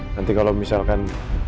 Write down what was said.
nanti kalau misalkan